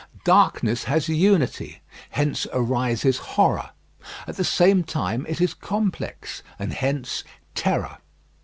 Darkness has unity, hence arises horror; at the same time it is complex, and hence terror.